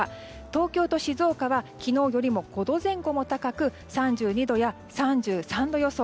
東京と静岡は昨日よりも５度前後も高く３２度や３３度予想。